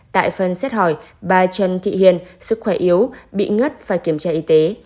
tại phần xét hỏi bà trần thị hiền sức khỏe yếu bị ngất phải kiểm tra y tế